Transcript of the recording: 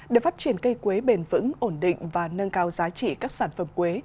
để phát triển cây quế bền vững ổn định và nâng cao giá trị các sản phẩm quế